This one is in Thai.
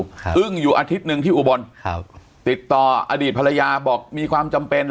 อึ้งอยู่อาทิตย์หนึ่งที่อุบลครับติดต่ออดีตภรรยาบอกมีความจำเป็นเห